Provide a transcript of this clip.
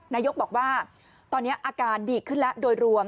นายกบอกว่าตอนนี้อาการดีขึ้นแล้วโดยรวม